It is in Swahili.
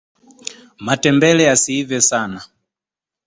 matembele yasiive sana